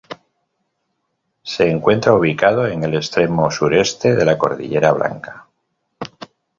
Se encuentra ubicado en el extremo sureste de la cordillera Blanca.